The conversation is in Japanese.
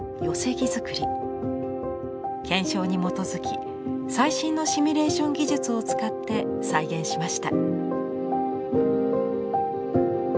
検証に基づき最新のシミュレーション技術を使って再現しました。